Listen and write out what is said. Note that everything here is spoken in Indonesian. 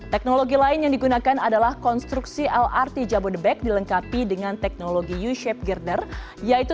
teknologi lain yang digunakan adalah konstruksi lrt jabodebek dilengkapi dengan teknologi u shape girder yaitu